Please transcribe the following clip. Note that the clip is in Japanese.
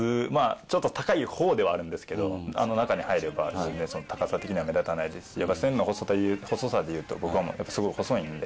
ちょっと高いほうではあるんですけれどもあの中に入れば全然高さ的には目立たないですし線の細さでいうと僕はすごい細いで。